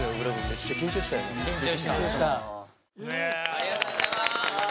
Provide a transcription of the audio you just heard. ありがとうございます。